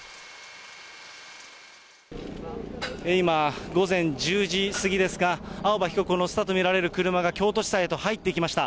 今、午前１０時過ぎですが、青葉被告を乗せたと見られる車が京都地裁へと入っていきました。